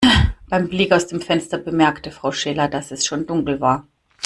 Beim Blick aus dem Fenster bemerkte Frau Schiller, dass es schon dunkel war.